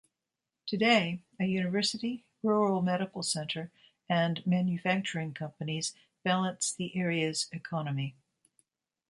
Today, a university, rural medical center, and manufacturing companies balance the area's economy.